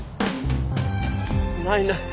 ないない。